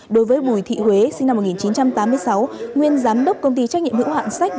đối với bùi thị huế sinh năm một nghìn chín trăm tám mươi sáu nguyên giám đốc công ty trách nhiệm hữu hạn sách